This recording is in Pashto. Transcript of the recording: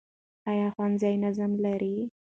ایا ښوونځي نظم لري؟